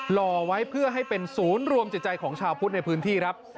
ห่อไว้เพื่อให้เป็นศูนย์รวมจิตใจของชาวพุทธในพื้นที่ครับ